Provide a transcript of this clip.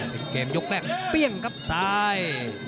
เป็นเกมยกแรกเปรี้ยงครับซ้าย